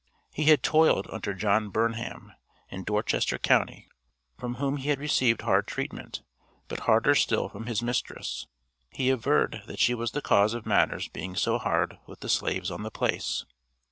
He had toiled under John Burnham, in Dorchester county, from whom he had received hard treatment, but harder still from his mistress. He averred that she was the cause of matters being so hard with the slaves on the place.